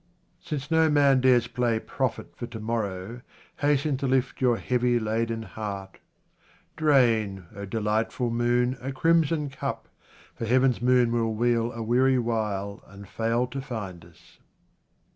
Since no man dares play prophet for to morrow, hasten to lift your heavy laden heart. Drain, O delightful moon, a crimson cup, for heaven's moon will wheel a weary while and fail to find us.